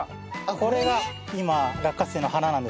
これが今落花生の花なんですよ。